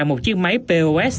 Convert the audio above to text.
một chiếc máy pos